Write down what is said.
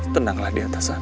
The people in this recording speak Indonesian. tenanglah di atas sana